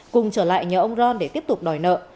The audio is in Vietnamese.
cùng trở lại nhờ ông ron để tiếp tục đòi nợ